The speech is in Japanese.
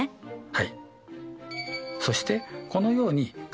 はい。